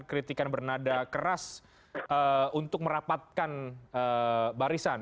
kritikan bernada keras untuk merapatkan barisan